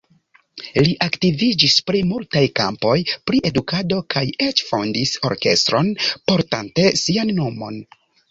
Li aktiviĝis pri multaj kampoj pri edukado kaj eĉ fondis orkestron portante sian nomon.